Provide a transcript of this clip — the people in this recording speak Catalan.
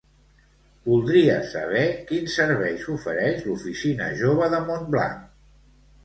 Voldria saber quins serveis ofereix l'oficina jove de Montblanc.